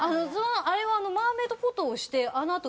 あれはマーメイドフォトをしてあの後。